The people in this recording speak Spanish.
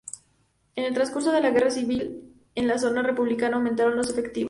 En el transcurso de la guerra civil, en la zona republicana aumentaron los efectivos.